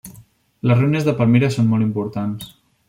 Les ruïnes de Palmira són molt importants.